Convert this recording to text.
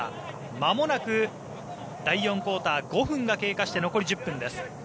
まもなく第４クオーター５分が経過して残り１０分です。